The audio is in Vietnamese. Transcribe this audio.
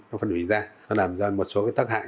nó phân hủy ra nó làm ra một số cái tác hại